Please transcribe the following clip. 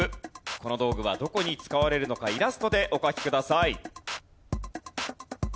この道具はどこに使われるのかイラストでお描きください。